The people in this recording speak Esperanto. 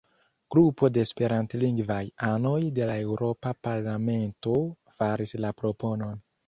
Grupo de esperantlingvaj anoj de la eŭropa parlamento faris la proponon.